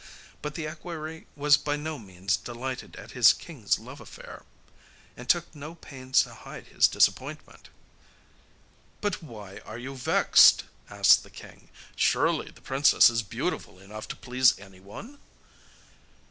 But the equerry was by no means delighted at his king's love affair, and took no pains to hide his disappointment. 'But why are you vexed?' asked the king. 'Surely the princess is beautiful enough to please anyone?